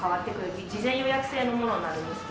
事前予約制のものになるんですけど。